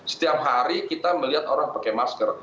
setiap hari kita melihat orang pakai masker